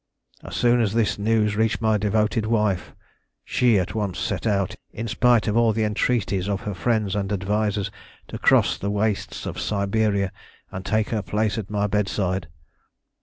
As soon as this news reached my devoted wife she at once set out, in spite of all the entreaties of her friends and advisers, to cross the wastes of Siberia, and take her place at my bedside.